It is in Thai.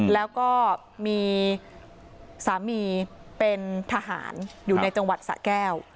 แล้วก็มีสามีเป็นทหารอยู่ในจังหวัดสะแก้ว